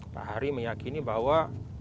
pak hari meyakini bahwa